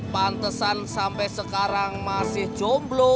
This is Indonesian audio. pantesan sampai sekarang masih jomblo